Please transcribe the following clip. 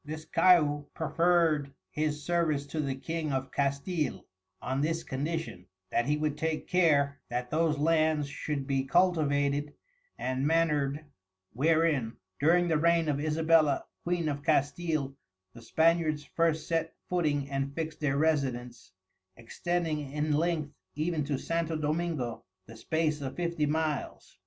This Caiu proferred his Service to the King of Castile, on this Condition, that he would take care, that those Lands should be cultivated and manur'd, wherein, during the reign of Isabella, Queen of Castile, the Spaniards first set footing and fixed their Residence, extending in length even to Santo Domingo, the space of Fifty Miles.